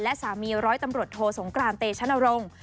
และสามีร้อยตำรวจโทสงกรานเตชนรงค์